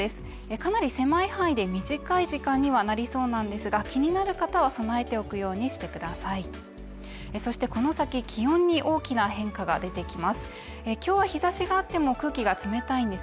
かなり狭い範囲で短い時間にはなりそうなんですが気になる方は備えておくようにしてくださいそしてこの先気温に大きな変化が出てきます